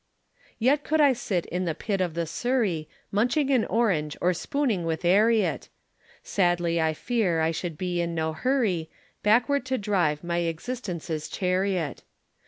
Yet could I sit in the pit of the Surrey, Munching an orange or spooning with 'Arriet; Sadly I fear I should be in no hurry Backward to drive my existence's chariot.